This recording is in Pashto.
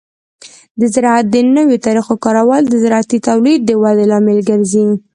د زراعت د نوو طریقو کارول د زراعتي تولید د ودې لامل ګرځي.